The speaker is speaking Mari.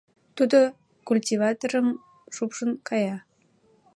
Тудо культиваторым шупшын кая.